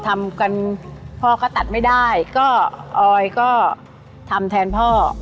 ทำกันพ่อก็ตัดไม่ได้ก็ออยก็ทำแทนพ่อ